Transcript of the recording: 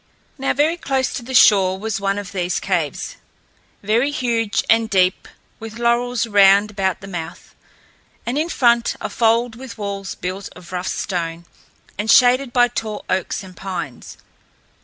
Now very close to the shore was one of these caves, very huge and deep, with laurels round about the mouth, and in front a fold with walls built of rough stone and shaded by tall oaks and pines.